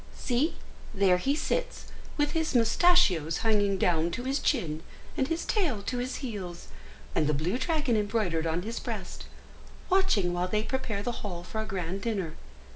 See, there he sits, with his moustachios hanging down to his chin, and his tail to his heels, and the blue dragon embroidered on his breast, watching while they prepare the hall for a grand dinner.